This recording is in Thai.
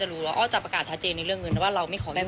จะรู้แล้วอ้อจะปรากฏชัดเจนในเรื่องเงินด้วยว่าเราไม่ขอยุ่งเกี่ยว